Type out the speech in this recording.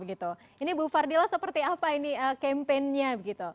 ini bu fardila seperti apa ini campaignnya